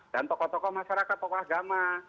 dan tokoh tokoh masyarakat tokoh agama